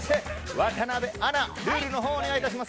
渡邊アナルールの方お願いします。